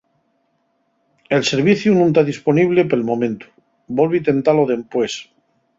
El serviciu nun ta disponible pel momentu. Volvi tentalo dempués.